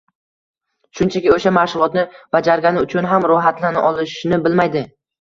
shunchaki o‘sha mashg‘ulotni bajargani uchun ham rohatlana olishni bilmaydi.